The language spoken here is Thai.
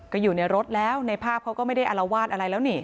ก็อยู่ในรถแล้วในภาพเขาก็ไม่ได้อารวาสอะไรแล้วนี่